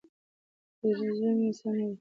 که روزنه سمه وي نو ماشوم نه بې لارې کېږي.